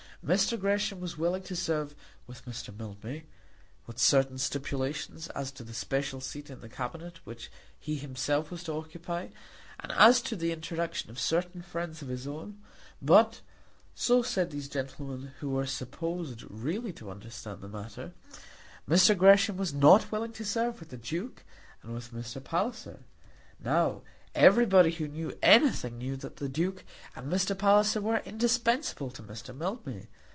Mr. Gresham was willing to serve with Mr. Mildmay, with certain stipulations as to the special seat in the Cabinet which he himself was to occupy, and as to the introduction of certain friends of his own; but, so said these gentlemen who were supposed really to understand the matter, Mr. Gresham was not willing to serve with the Duke and with Mr. Palliser. Now, everybody who knew anything knew that the Duke and Mr. Palliser were indispensable to Mr. Mildmay.